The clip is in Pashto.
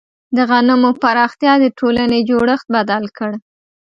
د غنمو پراختیا د ټولنې جوړښت بدل کړ.